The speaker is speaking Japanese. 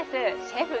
シェフ